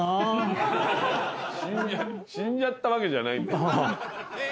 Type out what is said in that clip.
死んじゃったわけじゃない。